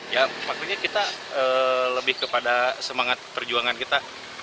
ya maksudnya kita lebih kepada semangat perjuangan kita